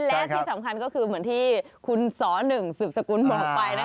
และที่สำคัญก็คือเหมือนที่คุณสหนึ่งสืบสกุลบอกไป